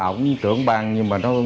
ổng trưởng bang